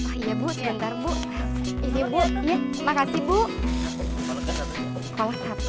oh iya bu sebentar bu